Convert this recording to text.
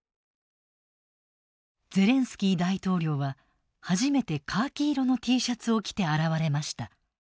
ゼレンスキー大統領は初めてカーキ色のＴシャツを着て現れました。